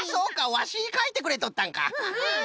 ワシかいてくれとったんか。